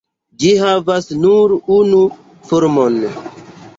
Ĝi havas nur unu formon.